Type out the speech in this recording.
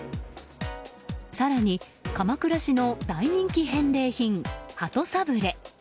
更に鎌倉市の大人気返礼品鳩サブレー。